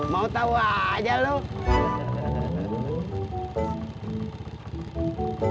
mau tau aja lu